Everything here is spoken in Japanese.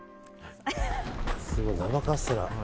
すごい、生カステラ。